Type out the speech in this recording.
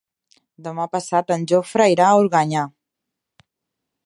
Demà passat en Jofre irà a Organyà.